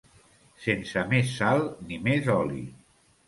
Sense més sal ni més oli.